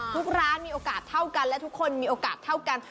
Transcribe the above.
ทุกร้านมีโอกาสเท่ากันและทุกคนมีโอกาสเท่ากัน